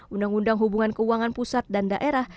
undang undang hubungan keuangan pusat dan daerah